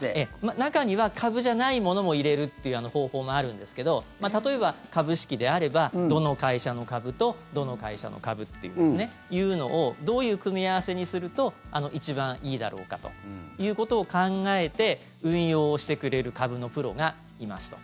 中には株じゃないものも入れるっていう方法もあるんですけど例えば、株式であればどの会社の株とどの会社の株っていうのをどういう組み合わせにすると一番いいだろうかということを考えて運用をしてくれる株のプロがいますと。